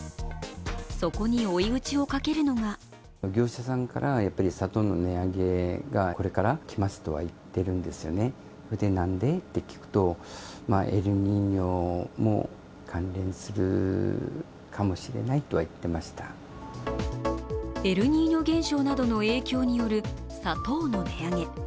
そこに追い打ちをかけるのがエルニーニョ現象などの影響による砂糖の値上げ。